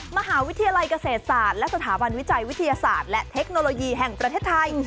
มหาวิทยาลัยเกษตรศาสตร์และสถาบันวิจัยวิทยาศาสตร์และเทคโนโลยีแห่งประเทศไทย